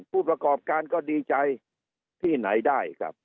ผู้ประกอบการก็ดีใจที่ไหนได้ครับ